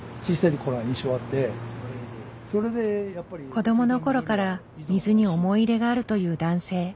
子どもの頃から水に思い入れがあるという男性。